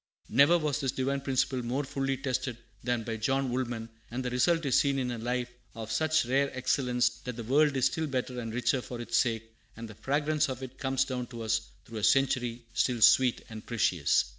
Never was this divine principle more fully tested than by John Wool man; and the result is seen in a life of such rare excellence that the world is still better and richer for its sake, and the fragrance of it comes down to us through a century, still sweet and precious.